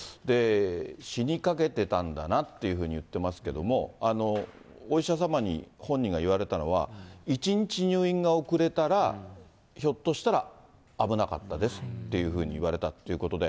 死にかけてたんだなっていうふうに言ってますけども、お医者様に本人が言われたのは、１日入院が遅れたら、ひょっとしたら、危なかったですっていうふうに言われたっていうことで。